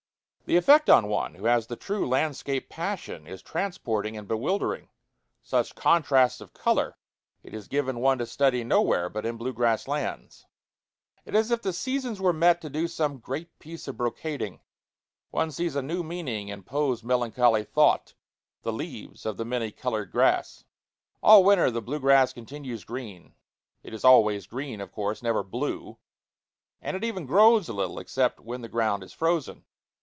The effect on one who has the true landscape passion is transporting and bewildering. Such contrasts of color it is given one to study nowhere but in blue grass lands. It is as if the seasons were met to do some great piece of brocading. One sees a new meaning in Poe's melancholy thought the leaves of the many colored grass. All winter the blue grass continues green it is always green, of course, never blue and it even grows a little, except when the ground is frozen.